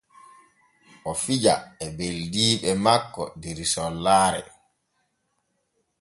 O fija e ɓeldiiɓe makko der sollaare.